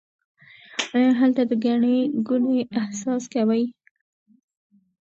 آیا هلته د ګڼې ګوڼې احساس کوئ؟